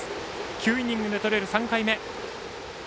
９イニングでとれる３回目。